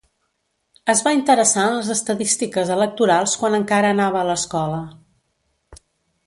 Es va interessar en les estadístiques electorals quan encara anava a l'escola.